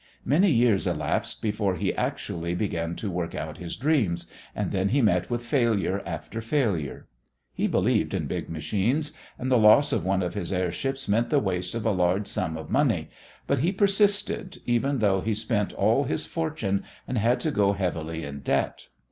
Many years elapsed before he actually began to work out his dreams, and then he met with failure after failure. He believed in big machines and the loss of one of his airships meant the waste of a large sum of money, but he persisted, even though he spent all his fortune, and had to go heavily in debt.